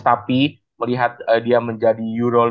tapi melihat dia menjadi